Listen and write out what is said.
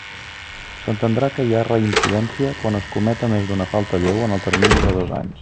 S'entendrà que hi ha reincidència quan es cometa més d'una falta lleu en el termini de dos anys.